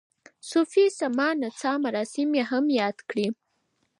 صوفي سما نڅا مراسم یې هم یاد کړي.